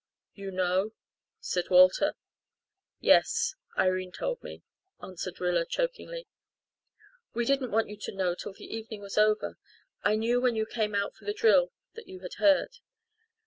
"You know?" said Walter. "Yes. Irene told me," answered Rilla chokingly. "We didn't want you to know till the evening was over. I knew when you came out for the drill that you had heard.